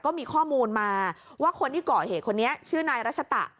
ก็มีข้อมูลมาว่าคนที่ก่อเหตุคนนี้ชื่อนายรัชตะ